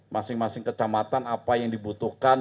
masing masing kecamatan apa yang dibutuhkan